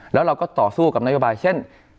แล้วเราก็ต่อสู้กับนโยบายเช่น